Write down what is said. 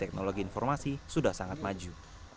teknologi informasi sudah sangat maju